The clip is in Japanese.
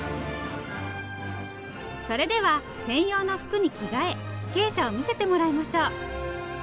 それでは専用の服に着替え鶏舎を見せてもらいましょう。